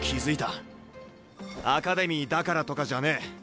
アカデミーだからとかじゃねえ。